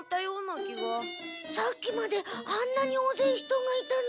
さっきまであんなに大ぜい人がいたのに。